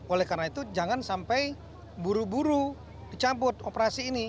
oleh karena itu jangan sampai buru buru dicabut operasi ini